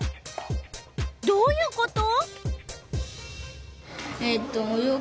どういうこと？